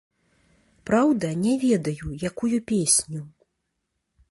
Праўда, не ведаю, якую песню.